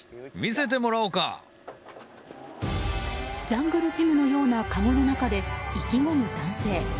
ジャングルジムのようなかごの中で意気込む男性。